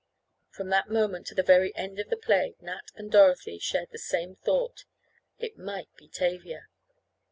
From that moment to the very end of the play Nat and Dorothy shared the same thought—it might be Tavia.